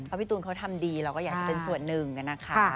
เพราะพี่ตูนเขาทำดีเราก็อยากจะเป็นส่วนหนึ่งนะคะ